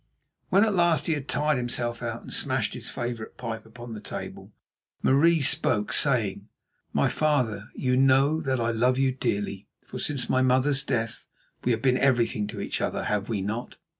When at last he had tired himself out and smashed his favourite pipe upon the table, Marie spoke, saying: "My father, you know that I love you dearly, for since my mother's death we have been everything to each other, have we not?"